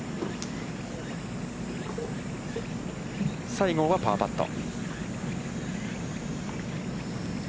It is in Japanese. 西郷はパーパット。